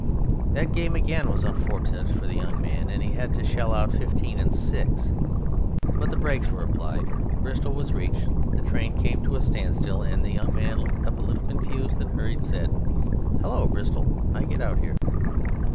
That game again was unfortunate for the young man, and he had to shell out fifteen and six. But the brakes were applied, Bristol was reached, the train came to a standstill, and the young man, looking up a little confused and hurried, said: "Hello, Bristol! I get out here."